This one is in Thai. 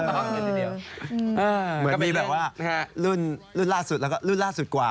เหมือนก็มีแบบว่ารุ่นล่าสุดแล้วก็รุ่นล่าสุดกว่า